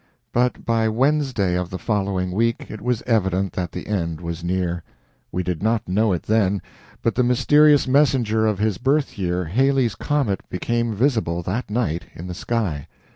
But by Wednesday of the following week it was evident that the end was near. We did not know it then, but the mysterious messenger of his birth year, Halley's comet, became visible that night in the sky.